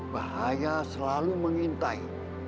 bahaya selalu mengintai